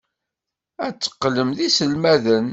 Ad teqqlem d iselmaden.